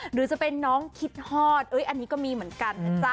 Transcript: หรือจะเป็นน้องคิดห้ออันนี้ก็มีเหมือนกัน